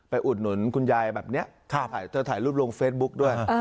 อุดหนุนคุณยายแบบนี้เธอถ่ายรูปลงเฟซบุ๊กด้วย